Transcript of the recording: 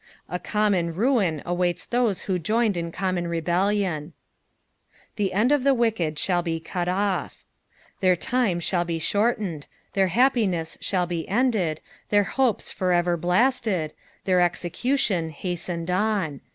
A common rain awaits those who joined in common rebellion. " The end ^ the meked thall be eat off." Their time shall be shortened, their happiness ^all be ended, their hopes for ever blasted, their execution hastened on.